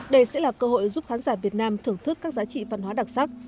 đây sẽ là cơ hội giúp khán giả việt nam thưởng thức các giá trị văn hóa đặc sắc